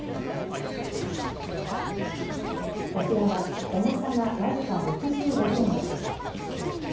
こちらは重さが僅か６５グラム。